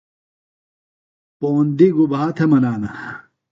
پوندیۡ گُبھا تھےۡ منانہ؟